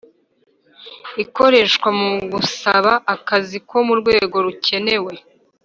ikoreshwa mu gusaba akazi ko mu rwego rukenewe